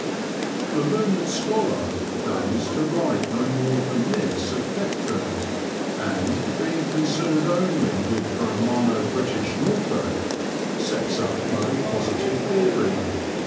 The learned scholar deigns to write no more than this of Thetford, and, being concerned only with Romano British Norfolk, sets up no positive theory.